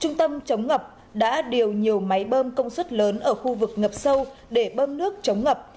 trung tâm chống ngập đã điều nhiều máy bơm công suất lớn ở khu vực ngập sâu để bơm nước chống ngập